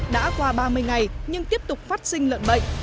đã qua ba mươi ngày nhưng tiếp tục phát sinh lợn bệnh